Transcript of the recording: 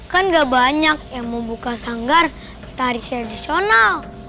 kan gak banyak yang mau buka sanggar tarik tradisional